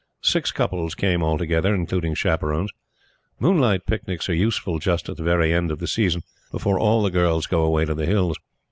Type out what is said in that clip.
Six couples came altogether, including chaperons. Moonlight picnics are useful just at the very end of the season, before all the girls go away to the Hills.